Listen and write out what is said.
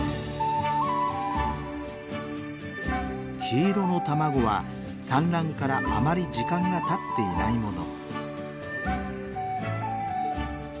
黄色の卵は産卵からあまり時間がたっていないもの。